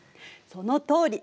そのとおり！